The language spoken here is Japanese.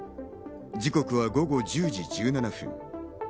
時刻は午後１０時１７分。